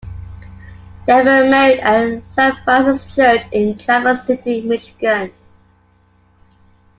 They were married at Saint Francis Church in Traverse City, Michigan.